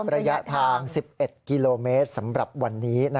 ระยะทาง๑๑กิโลเมตรสำหรับวันนี้